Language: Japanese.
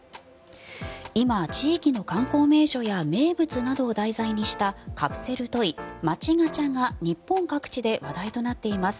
今、地域の観光名所や名物などを題材にしたカプセルトイ、街ガチャが日本各地で話題となっています。